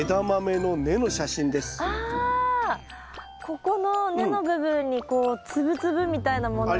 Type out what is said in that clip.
ここの根の部分にこうつぶつぶみたいなものが。